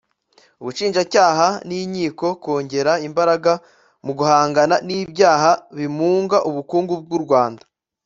ubushinjacyaha n’inkiko kongera imbaraga mu guhangana n’ibyaha bimunga ubukungu bw’u Rwanda